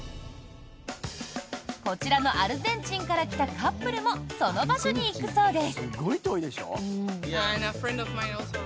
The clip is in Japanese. こちらのアルゼンチンから来たカップルもその場所に行くそうです。